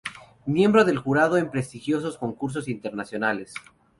Miembro del jurado en prestigiosos concursos internacionales.